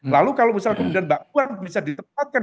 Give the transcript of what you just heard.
lalu kalau misalnya kemudian mbak puan bisa ditempatkan